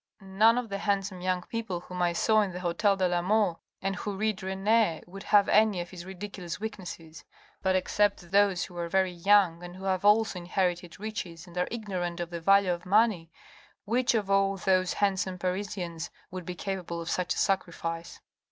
" None of the handsome young people whom I saw in the hotel de la Mole, and who read Rene, would have any of his ridiculous weaknesses : but, except those who are very young and who have also inherited riches and are ignorant of the value of money, which of all those handsome Parisians would be capable of such a sacrifice